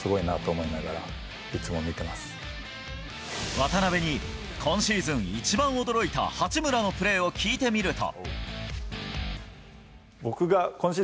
渡邊に今シーズン一番驚いた八村のプレーを聞いてみると。